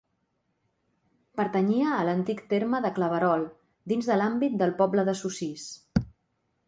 Pertanyia a l'antic terme de Claverol, dins de l'àmbit del poble de Sossís.